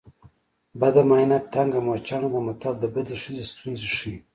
بده ماینه تنګه موچڼه ده متل د بدې ښځې ستونزې ښيي